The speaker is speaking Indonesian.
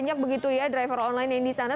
banyak begitu ya driver online yang di sana